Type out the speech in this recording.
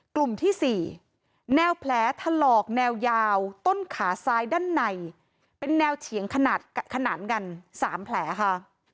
กลุ่มที่๔แนวแผลถลอกแนวยาวต้นขาซ้ายด้านในเป็นแนวเฉียงขนาดกัน๓แผลค่ะ